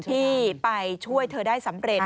ที่ไปช่วยเธอได้สำเร็จ